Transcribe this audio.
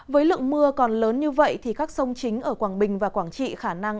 với lượng mưa còn lớn như vậy thì các sông chính ở quảng bình và quảng trị khả năng